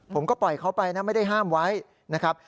ผมก็ปล่อยเขาไปนะไม่ได้ห้ามไว้นะครับ